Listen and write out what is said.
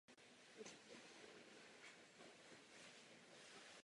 Je nejlidnatější oblastí ve Slovinsku a je metropolitní oblastí Lublaně.